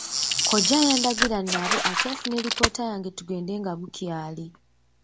Kkojja yandagira nnaabe ate nfune lipoota yange tugende nga bukyali.